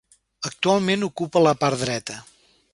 Actualment ocupa la part dreta.